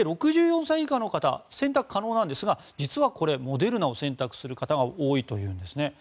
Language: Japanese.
６４歳以下の方選択可能なんですが実はこれ、モデルナを選択する方が多いというんです。